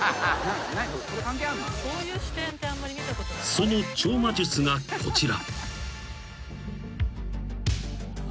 ［その超魔術がこちら］